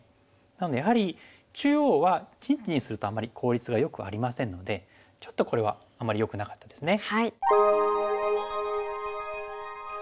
なのでやはり中央は陣地にするとあんまり効率がよくありませんのでちょっとこれはあんまりよくなかったですね。